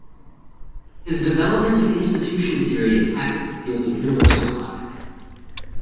His development of institution theory impacted the field of universal logic.